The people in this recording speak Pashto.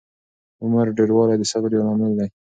عمر ډېروالی د صبر یو لامل دی.